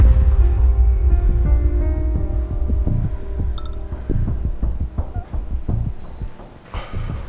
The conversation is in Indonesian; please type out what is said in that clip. ada apa lagi sih